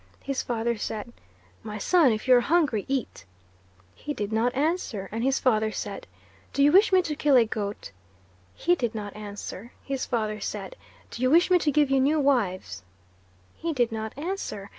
His father said, 'My son, if you are hungry eat.' He did not answer, and his father said, 'Do you wish me to kill a goat?' He did not answer; his father said, 'Do you wish me to give you new wives?' He did not answer.